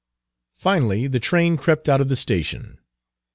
Finally the train crept out of the station.